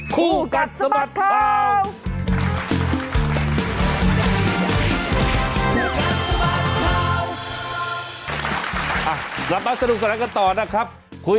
คู่กัดสมัครคร้าว